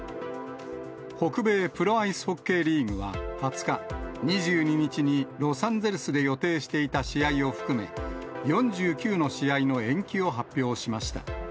北米プロアイスホッケーリーグは２０日、２２日にロサンゼルスで予定していた試合を含め、４９の試合の延期を発表しました。